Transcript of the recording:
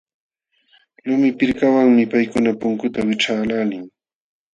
Lumi pirkawanmi paykuna puntunta wićhqaqlaalin.